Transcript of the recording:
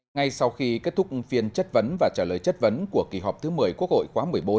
ngay sau khi kết thúc phiên chất vấn và trả lời chất vấn của kỳ họp thứ một mươi quốc hội khóa một mươi bốn